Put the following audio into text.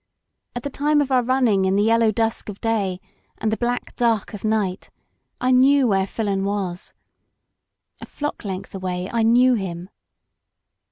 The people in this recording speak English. All the time of our running in the yellow dusk of day and the black dark of night, I knew where Filon was. A flock length away, I knew him.